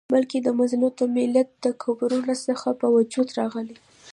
بلکي د مظلوم ملت د قبرونو څخه په وجود راغلی